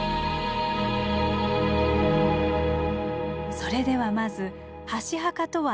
それではまず箸墓とは何か。